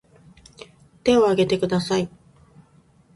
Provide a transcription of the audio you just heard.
手を挙げてください